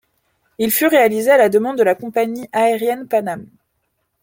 Il fut réalisé à la demande de la compagnie aérienne PanAm.